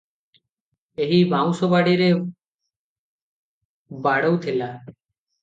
ଏହି ବାଉଁଶବାଡ଼ିରେ ବାଡ଼ଉଥିଲେ ।